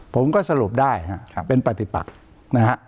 ผมก็สรุปได้เป็นปฏิปักษ์นะครับ